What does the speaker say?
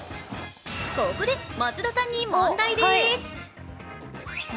ここで松田さんに問題です。